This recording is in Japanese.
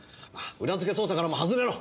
裏付け捜査からも外れろ。